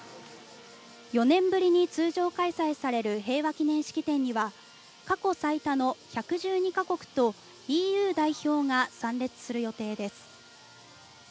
４年ぶりに通常開催される平和記念式典には過去最多の１１２か国とＥＵ代表が参列する予定です。